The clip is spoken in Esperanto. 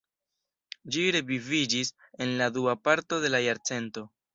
Ĝi reviviĝis en la dua parto de la jarcento.